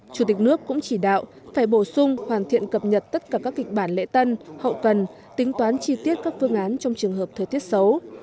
chủ tịch nước cũng chỉ đạo phải bổ sung hoàn thiện cập nhật tất cả các kịch bản lễ tân hậu cần tính toán chi tiết các phương án trong trường hợp thời tiết xấu